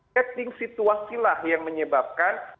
ketik situasilah yang menyebabkan